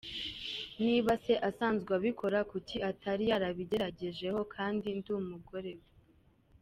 Niba se asanzwe abikora kuki atari yarabingeragerejeho kandi ndi umugore we.